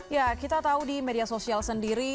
ya kita tahu di media sosial sendiri